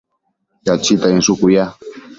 Cachita inshucu ya